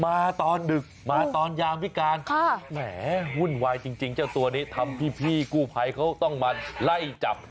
มาตอนดึกมาตอนยามวิการค่ะแหมวุ่นวายจริงเจ้าตัวนี้ทำพี่กู้ภัยเขาต้องมาไล่จับ